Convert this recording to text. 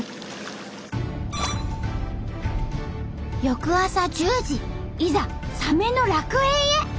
翌朝１０時いざサメの楽園へ！